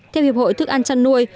theo hiệp hội thức ăn chăn nuôi